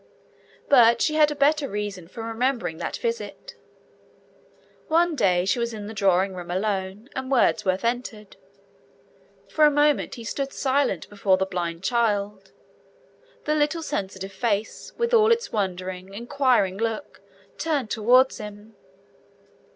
But she had a better reason for remembering that visit. One day she was in the drawing room alone, and Wordsworth entered. For a moment he stood silent before the blind child, the little sensitive face, with its wondering, inquiring look, turned towards him.